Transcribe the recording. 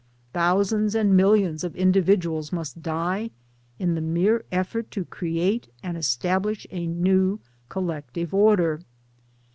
Thousands and millions of indi viduals must die in the mere effort to create ,and establish a new collective order.